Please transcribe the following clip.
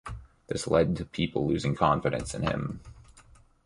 This led to the people losing confidence in him.